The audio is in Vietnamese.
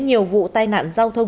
nhiều vụ tai nạn giao thông